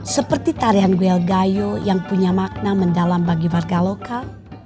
seperti tarian goel gayo yang punya makna mendalam bagi warga lokal